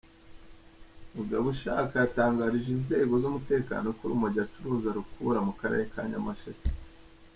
Mugabushaka yatangarije inzego z’umutekano ko urumogi acuruza arukura mu karere ka Nyamasheke.